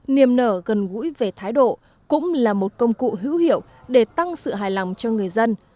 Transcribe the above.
niềm nở gần gũi về thái độ cũng là một công cụ hữu hiệu để tăng sự hài lòng cho người dân